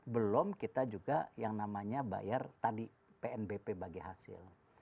belum kita juga yang namanya bayar tadi pnbp bagi hasil